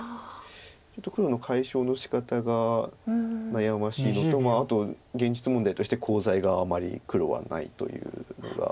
ちょっと黒の解消のしかたが悩ましいのとあと現実問題としてコウ材があまり黒はないというのが。